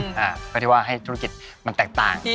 เพราะที่ว่าให้ธุรกิจมันแตกต่าง